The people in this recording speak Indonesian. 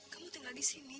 kamu tinggal di sini